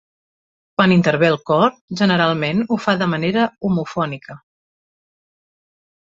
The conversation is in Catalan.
Quan intervé el cor, generalment ho fa de manera homofònica.